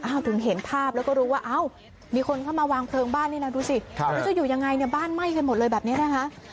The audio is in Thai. ถึงเห็นภาพแล้วก็รู้ว่าเอ้ามีคนเข้ามาวางเพลิงบ้านนี่นะดูสิไม่รู้จะอยู่ยังไงเนี่ยบ้านไหม้กันหมดเลยแบบนี้นะคะ